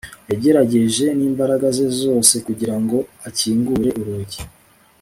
yagerageje n'imbaraga ze zose kugirango akingure urugi